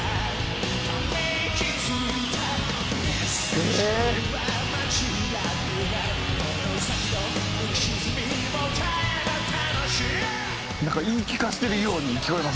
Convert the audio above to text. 「ええー！」なんか言い聞かせてるように聞こえますもんね。